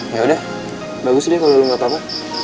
ya udah bagus deh kalo lu gak apa apa